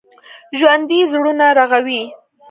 ژوندي زړونه رغوي